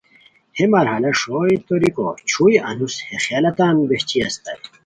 ہے مر حلہ ݰوئے توریکو چھوئے انوس ہے خیالہ تان بہچی استائے